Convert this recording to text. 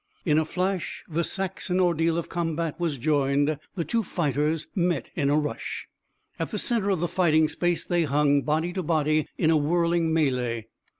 In a flash the Saxon ordeal of combat was joined. The two fighters met in a rush. At the center of the fighting space they hung, body to body, in a whirling melée.